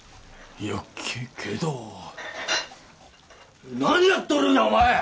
いやけど何やっとるんやお前！